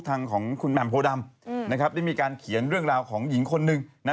ทางโพดำนะครับได้มีการเขียนเรื่องราวของหญิงคนนึงนะ